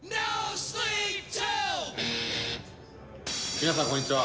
皆さん、こんにちは。